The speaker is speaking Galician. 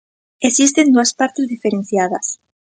Existen dúas partes diferenciadas.